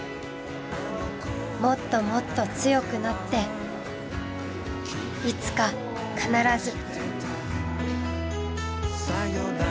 もっともっと強くなっていつか必ず。